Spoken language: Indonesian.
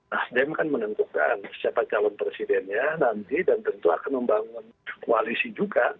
nasdem kan menentukan siapa calon presidennya nanti dan tentu akan membangun koalisi juga